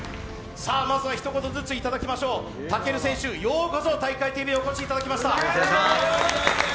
まずは一言ずついただきましょう、武尊選手、ようこそ「体育会ＴＶ」にお越しいただきました。